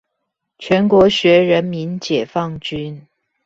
全國學人民解放軍